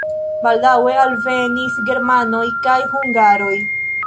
Baldaŭe alvenis germanoj kaj hungaroj.